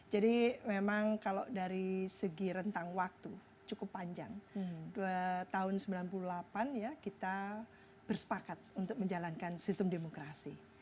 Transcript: jadi memang kalau dari segi rentang waktu cukup panjang tahun seribu sembilan ratus sembilan puluh delapan ya kita bersepakat untuk menjalankan sistem demokrasi